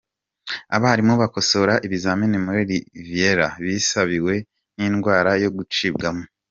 Abarimu bakosora ibizamini muri Riviyera bibasiwe n’indwara yo ’gucibwamo’